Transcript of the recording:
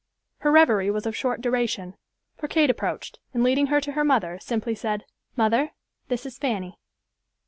Her reverie was of short duration, for Kate approached, and leading her to her mother, simply said, "Mother, this is Fanny."